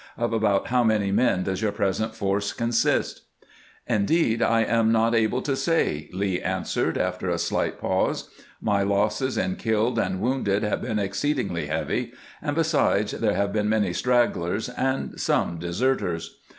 Of about how many men does your present force consist ?"" Indeed, I am not able to say," Lee answered, after a shght pause. " My losses in killed and wounded have been exceedingly heavy, and, besides, there have been many stragglers and some deserters.